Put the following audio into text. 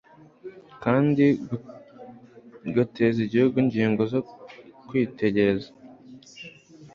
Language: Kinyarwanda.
kandi kugateza igihu ingingo zo kwitegereza